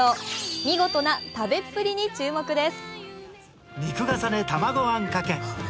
見事な食べっぷりに注目です。